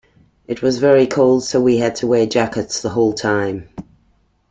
It was very cold so we had to wear jackets the whole time.